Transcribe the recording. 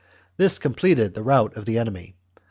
This completed the rout of the enemy.